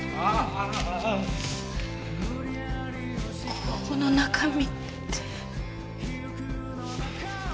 この中身って。